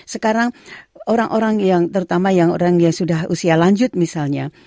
sekarang orang orang yang terutama yang orang yang sudah usia lanjut misalnya